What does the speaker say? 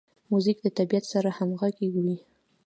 موزیک د طبیعت سره همغږی وي.